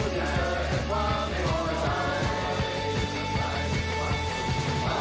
ราวที่เจอความที่มองใจ